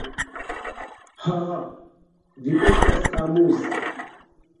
Haha, vi estas amuza.